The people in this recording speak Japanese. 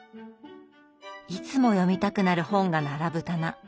いつも読みたくなる本が並ぶ棚。